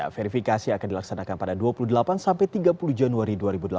verifikasi akan dilaksanakan pada dua puluh delapan sampai tiga puluh januari dua ribu delapan belas